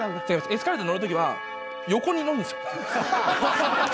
エスカレーター乗るときは横に乗るんすよ。